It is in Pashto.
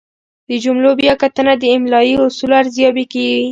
د جملو بیا کتنه د املايي اصولو ارزیابي کوي.